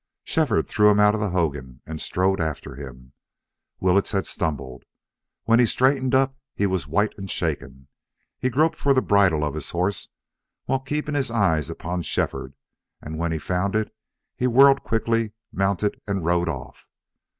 Shefford threw him out of the hogan and strode after him. Willetts had stumbled. When he straightened up he was white and shaken. He groped for the bridle of his horse while keeping his eyes upon Shefford, and when he found it he whirled quickly, mounted, and rode off.